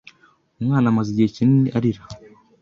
Umwana amaze igihe kinini arira.